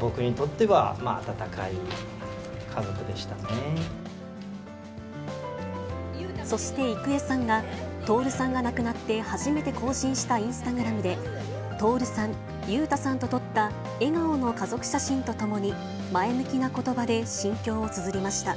僕にとっては、そして郁恵さんが、徹さんが亡くなって初めて更新したインスタグラムで、徹さん、裕太さんと撮った、笑顔の家族写真とともに前向きなことばで心境をつづりました。